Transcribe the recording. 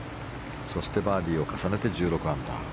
そしてバーディーを重ねて１６アンダー。